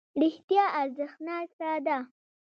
رښتیا ارزښتناکه ده.